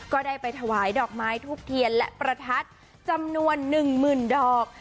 ก็ได้ไปถวายดอกไม้ทูบเทียนและประทัดจำนวน๑๐๐๐ดอก